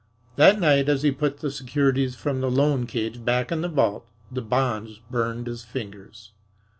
That night as he put the securities from the "loan cage" back in the vault the bonds burned his fingers.